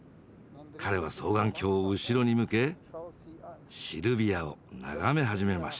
彼は双眼鏡を後ろに向けシルビアを眺め始めました。